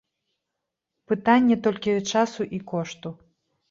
Пытанне толькі часу і кошту.